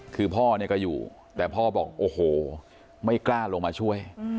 คือพ่อเนี่ยก็อยู่แต่พ่อบอกโอ้โหไม่กล้าลงมาช่วย